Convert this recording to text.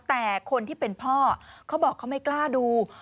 แต่คนที่เป็นพ่อเขาบอกเขาไม่กล้าดู